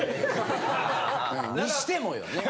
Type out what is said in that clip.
にしてもよね。